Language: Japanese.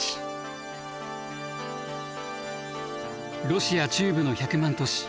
ロシア中部の１００万都市